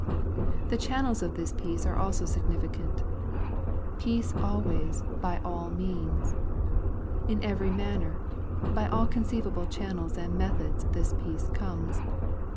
The channels of this peace are also sig nificant —" Peace always hy all means,^^ " In every manner," by all conceivable channels and methods this peace comes.